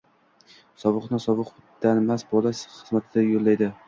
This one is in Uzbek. sovuqni-sovuqdemas-dan bola xizmatiga yo'llaydi.